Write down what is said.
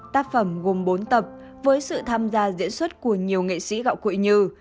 tác phẩm gồm bốn tập với sự tham gia diễn xuất của nhiều nghệ sĩ gạo cội như